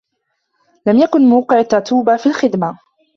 لم يكن موقع تاتوبا في الخدمة.